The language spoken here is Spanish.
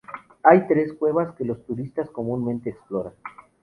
Hay tres cuevas, que los turistas comúnmente explora.